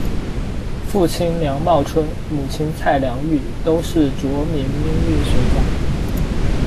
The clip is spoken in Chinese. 父亲梁茂春，母亲蔡良玉都是着名音乐学家。